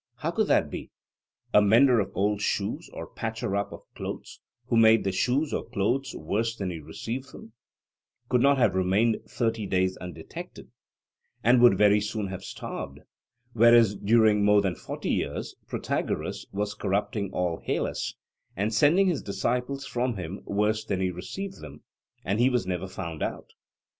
How could that be? A mender of old shoes, or patcher up of clothes, who made the shoes or clothes worse than he received them, could not have remained thirty days undetected, and would very soon have starved; whereas during more than forty years, Protagoras was corrupting all Hellas, and sending his disciples from him worse than he received them, and he was never found out.